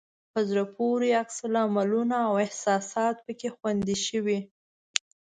په زړه پورې عکس العملونه او احساسات پکې خوندي شوي.